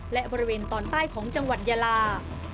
และบริเวณตอนใต้ของจังหวัดยาลา